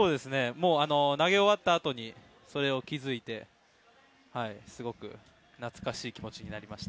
投げ終わったあとにそれに気づいてすごく懐かしい気持ちになりました。